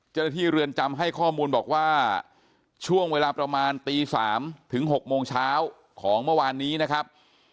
เรือนจำให้ข้อมูลบอกว่าช่วงเวลาประมาณตี๓ถึง๖โมงเช้าของเมื่อวานนี้นะครับ